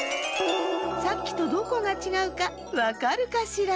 さっきとどこがちがうかわかるかしら？